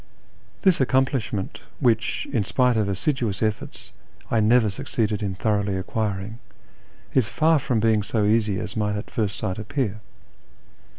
This accomplishment, which, in spite of assiduous efforts, I never succeeded in thoroughly acquiring, is far from being so easy as might at first sight appear.